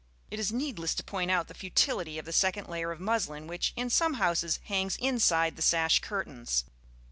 It is needless to point out the futility of the second layer of muslin which, in some houses, hangs inside the sash curtains.